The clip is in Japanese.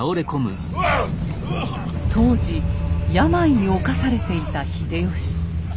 当時病に侵されていた秀吉。